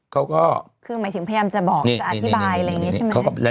เขาก็คือหมายถึงพยายามจะบอกจะอธิบายอะไรอย่างนี้ใช่ไหม